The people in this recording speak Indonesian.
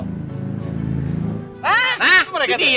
nah jadi ya